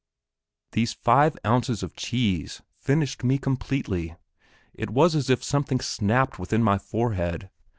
These five ounces of cheese finished me completely; it was as if something snapped within my forehead.